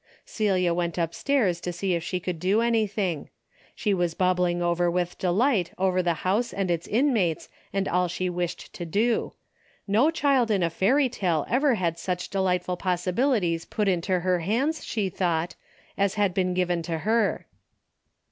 Celia went upstairs to see if she could do anything. She was bubbling over with de light over the house and its inmates and all she wished to do. Ho child in a fairy tale ever had such delightful possibilities put into her hands, she thought, as had bebn given to her.